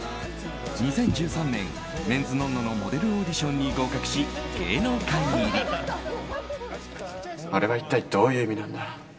２０１３年、「メンズノンノ」のモデルオーディションに合格しあれは一体どういう意味なんだ。